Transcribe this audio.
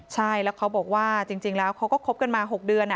ใช่แล้วเขาบอกว่าจริงแล้วเขาก็คบกันมา๖เดือน